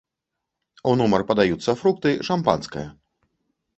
У нумар падаюцца фрукты шампанскае.